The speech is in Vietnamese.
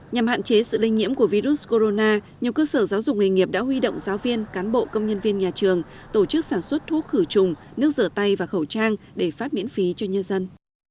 nhằm hạn chế sự lây nhiễm của virus corona nhiều cơ sở giáo dục nghề nghiệp đã huy động giáo viên cán bộ công nhân viên nhà trường tổ chức sản xuất thuốc khử trùng nước rửa tay và khẩu trang để phát miễn phí cho nhân dân